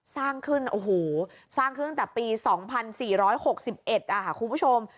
สร้างขึ้นโอ้โหสร้างขึ้นต่อปี๒๔๖๑ค่ะคุณผู้ชม